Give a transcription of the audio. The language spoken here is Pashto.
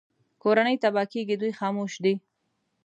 کورنۍ تباه کېږي دوی خاموش دي